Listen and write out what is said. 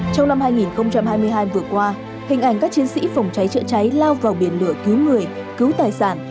trong năm hai nghìn hai mươi hai vừa qua hình ảnh các chiến sĩ phòng cháy chữa cháy lao vào biển lửa cứu người cứu tài sản